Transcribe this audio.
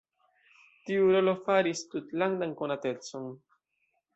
Tiu rolo faris tutlandan konatecon.